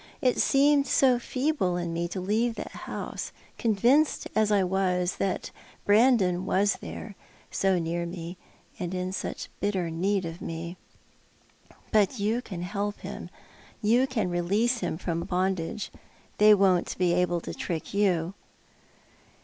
It seemed so feeble in me to leave that house, convinced as I was that Brandon was there, so near me, and in such bitter need of me. But you can help him. You can release him from bondage. They won't be able to trick you."